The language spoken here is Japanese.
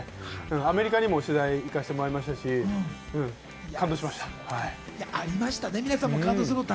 アメリカにも取材、行かせてもらいましたし、感動しました。